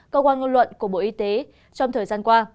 cơ quan ngôn luận của bộ y tế trong thời gian qua